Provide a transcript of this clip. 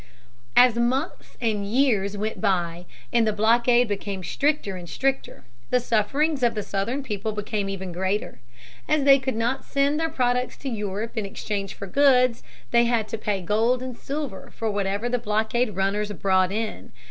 As months and years went by, and the blockade became stricter and stricter, the sufferings of the Southern people became ever greater. As they could not send their products to Europe to exchange for goods, they had to pay gold and silver for whatever the blockade runners brought in.